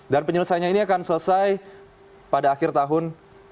dan penyelesaiannya ini akan selesai pada akhir tahun dua ribu delapan belas